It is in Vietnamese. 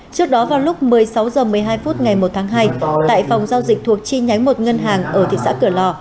trước đó vào lúc một mươi sáu h một mươi hai phút ngày một tháng hai tại phòng giao dịch thuộc chi nhánh một ngân hàng ở thị xã cửa lò